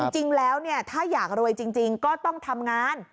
จริงแล้วถ้าอยากรวยจริงก็ต้องทำงาน